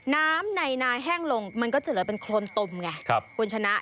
น้ำในนาแห้งลงมันก็จะเหลือเป็นโครนตมไงคุณชนะ